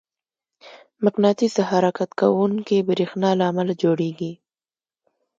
مقناطیس د حرکت کوونکي برېښنا له امله جوړېږي.